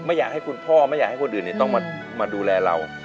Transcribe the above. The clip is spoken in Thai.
ไม่อยากให้คุณพ่อไม่อยากให้คนอื่นต้องมาดูแลเรา